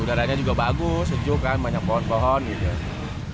udaranya juga bagus sejuk kan banyak pohon pohon gitu